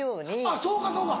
あっそうかそうか。